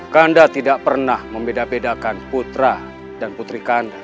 kanda tidak pernah membeda bedakan putra dan putrinya